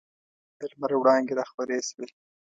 د لمر وړانګي راخورې سوې.